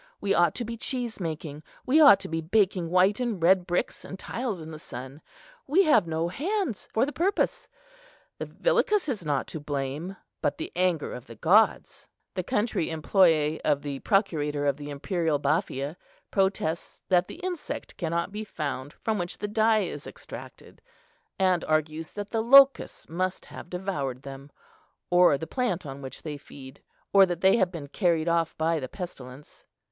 We ought to be cheese making. We ought to be baking white and red bricks and tiles in the sun; we have no hands for the purpose. The villicus is not to blame, but the anger of the gods." The country employé of the procurator of the imperial Baphia protests that the insect cannot be found from which the dye is extracted; and argues that the locusts must have devoured them, or the plant on which they feed, or that they have been carried off by the pestilence.